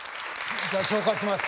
じゃあ紹介します。